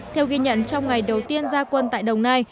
theo ghi nhận trong ngày đầu tiên ra quân tại đồng nai